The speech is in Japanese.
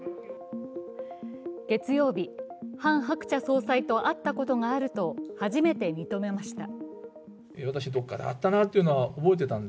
月曜日、ハン・ハクチャ総裁と会ったことがあると初めて認めました。